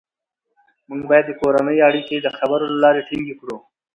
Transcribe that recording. موږ باید د کورنۍ اړیکې د خبرو له لارې ټینګې کړو